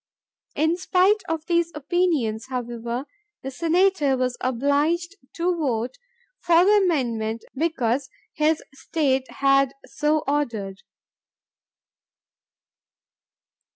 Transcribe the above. In spite of these opinions, however, the Senator was obliged to vote for the amendment because his state had so ordered.